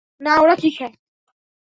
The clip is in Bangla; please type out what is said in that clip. না, ওরা কী খায়?